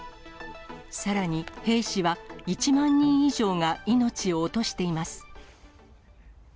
さらに兵士は１万人以上が命を落としています。